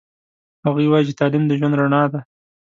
هغوی وایي چې تعلیم د ژوند رڼا ده